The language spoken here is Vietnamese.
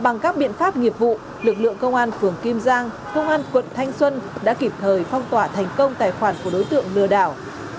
bằng các biện pháp nghiệp vụ lực lượng công an phường kim giang công an quận thanh xuân đã kịp thời phong tỏa thành công tài khoản của đối tượng lừa đảo